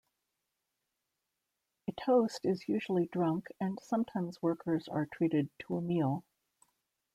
A toast is usually drunk and sometimes workers are treated to a meal.